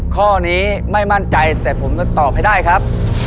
ข้อนี้ไม่มั่นใจแต่ผมจะตอบให้ได้ครับ